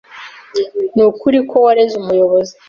Nukuri ko wareze umuyobozi?